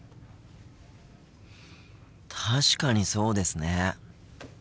確かにそうですね。